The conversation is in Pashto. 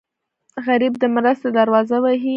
غریب د مرستې دروازه وهي